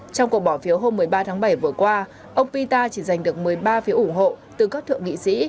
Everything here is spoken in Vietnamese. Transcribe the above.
trong cuộc bỏ phiếu hôm một mươi ba tháng bảy vừa qua ông pita chỉ giành được một mươi ba phiếu ủng hộ từ các thượng nghị sĩ